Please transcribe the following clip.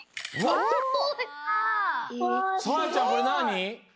これなに？